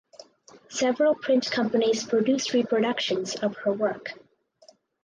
Several print companies produced reproductions of her work.